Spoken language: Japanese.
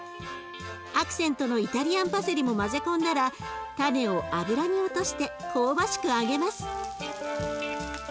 アクセントのイタリアンパセリも混ぜ込んだらタネを油に落として香ばしく揚げます。